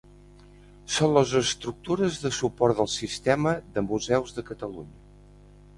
Són les estructures de suport del Sistema de Museus de Catalunya.